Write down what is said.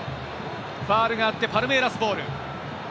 ファウルがあってパルメイラスボール。